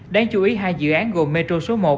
đáng chú ý hai dự án gồm metro số một